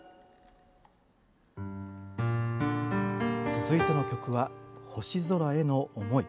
続いての曲は「星空への想い」